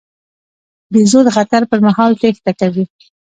بیزو د خطر پر مهال تېښته کوي.